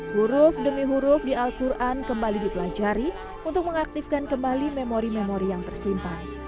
huruf demi huruf di al quran kembali dipelajari untuk mengaktifkan kembali memori memori yang tersimpan